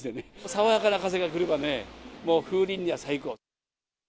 爽やかな風が来ればね、風鈴には最高。